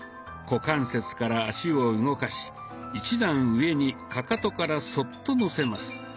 股関節から脚を動かし１段上にカカトからそっとのせます。